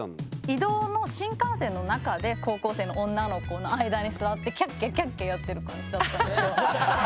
移動の新幹線の中で高校生の女の子の間に座ってやってる感じだったんですよ。